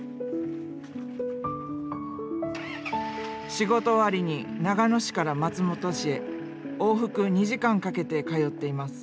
仕事終わりに長野市から松本市へ往復２時間かけて通っています。